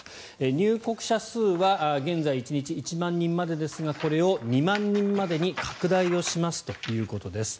入国者数は現在、１日１万人までですがこれを２万人までに拡大をしますということです。